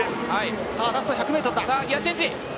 ラスト１００ｍだ！